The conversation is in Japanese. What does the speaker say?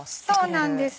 そうなんです。